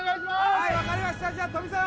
はい分かりましたじゃあ富澤